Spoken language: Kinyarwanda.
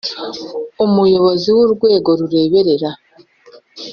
Umuyobozi w urwego rureberera